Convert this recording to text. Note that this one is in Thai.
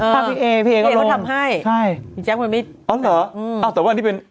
ภาพพี่เอเขาลง